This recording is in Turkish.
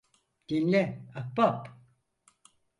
Dinle, ahbap.